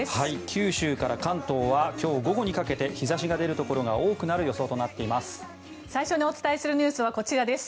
九州から関東は今日午後にかけて日差しが出るところが多くなる予想となっています。